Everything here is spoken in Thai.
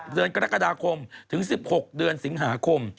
เดือนกรกฎาคมถึง๑๖เดือนสิงหาคม